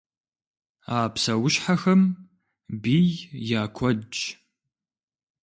А псэущхьэхэм бий я куэдщ.